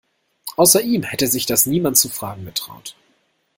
Außer ihm hätte sich das niemand zu fragen getraut.